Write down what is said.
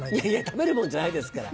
食べるもんじゃないですから。